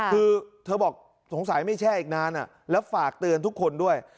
คือเธอบอกสงสัยไม่แช่อีกนานแล้วฝากเตือนทุกคนด้วย